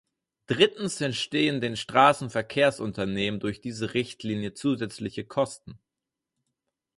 Drittens entstehen den Straßenverkehrsunternehmen durch diese Richtlinie zusätzliche Kosten.